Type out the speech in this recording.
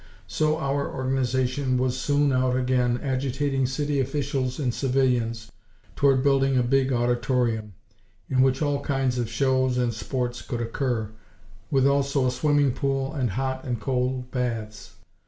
So our Organization was soon out again, agitating City Officials and civilians toward building a big Auditorium in which all kinds of shows and sports could occur, with also a swimming pool and hot and cold baths.